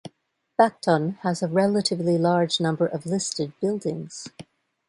Bacton has a relatively large number of listed buildings.